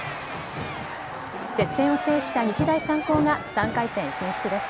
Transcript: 接戦を制した日大三高が３回戦進出です。